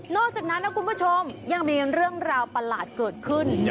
จากนั้นนะคุณผู้ชมยังมีเรื่องราวประหลาดเกิดขึ้น